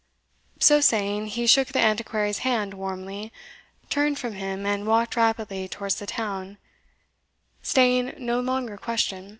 So saying, he shook the Antiquary's hand warmly, turned from him, and walked rapidly towards the town, "staying no longer question."